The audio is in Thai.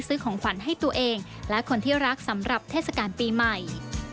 ของขวัญให้ตัวเองและคนที่รักสำหรับเทศกาลปีใหม่